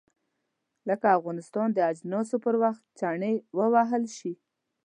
لکه افغانستان د اجناسو پر وخت چنې ووهل شي.